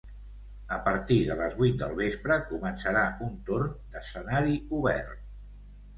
A partir de les vuit del vespre començarà un torn d’escenari obert.